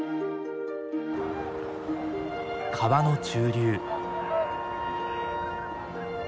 川の中流。